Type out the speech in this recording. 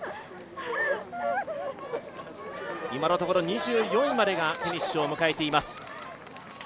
今のところ２４位までがフィニッシュを迎えています。